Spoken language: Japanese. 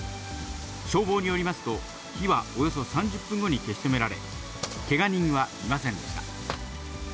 消防によりますと、火はおよそ３０分後に消し止められ、けが人はいませんでした。